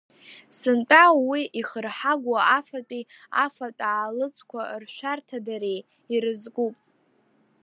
Сынтәа уи ихырҳагоу афатәи афатә аалыҵқәа ршәарҭадареи ирызкәуп.